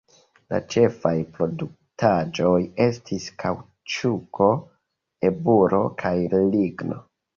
La ĉefaj produktaĵoj estis kaŭĉuko, eburo kaj ligno.